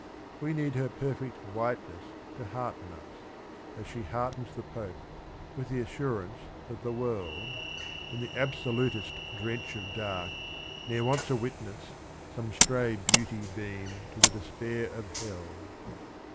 We need her per fect whiteness to hearten us, as she heartens the Pope, with the assurance that the world "in the absolutest drench of dark, — Ne'er wants a witness, some stray beauty beam To the despair of hell."